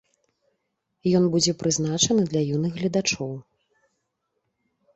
Ён будзе прызначаны для юных гледачоў.